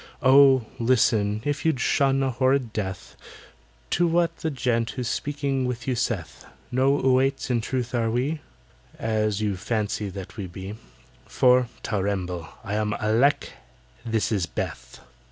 "Oh, listen, if you'd shun a horrid death, To what the gent who's speaking to you saith: No 'Oüaits' in truth are we, As you fancy that we be, For (ter remble!) I am ALECK—this is BETH!"